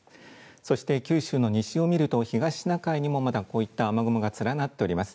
そして九州の西を見ると東シナ海にもまだこういった雨雲が連なっております。